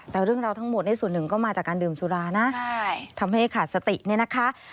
แต่เรื่องราวทั้งหมดในส่วนหนึ่งก็มาจากการดื่มสุรานะทำให้ขาดสติเนี่ยนะคะ